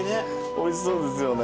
おいしそうですよね。